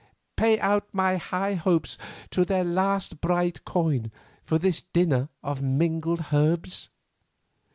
Pay out my high hopes to their last bright coin for this dinner of mingled herbs?